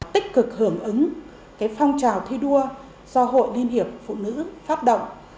tích cực hưởng ứng phong trào thi đua do hội liên hiệp phụ nữ phát động